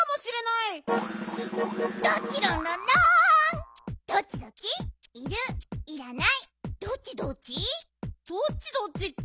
いらない。